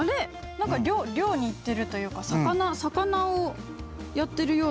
何か漁に行ってるというか魚魚をやってるような。